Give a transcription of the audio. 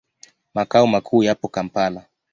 Makao makuu yapo Kampala.